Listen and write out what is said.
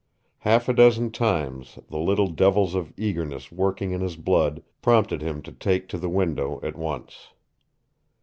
Half a dozen times the little devils of eagerness working in his blood prompted him to take to the window at once.